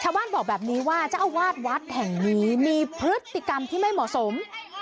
บอกแบบนี้ว่าเจ้าอาวาสวัดแห่งนี้มีพฤติกรรมที่ไม่เหมาะสม